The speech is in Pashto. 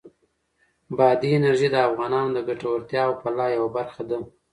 بادي انرژي د افغانانو د ګټورتیا او فلاح یوه برخه ده.